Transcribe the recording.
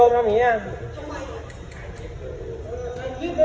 นี่มีร้านอีก